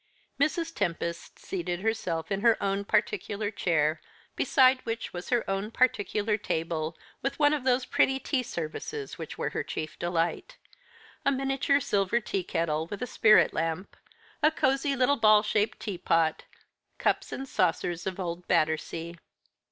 Mrs. Tempest seated herself in her own particular chair, beside which was her own particular table with one of those pretty tea services which were her chief delight a miniature silver tea kettle with a spirit lamp, a cosy little ball shaped teapot, cups and saucers of old Battersea.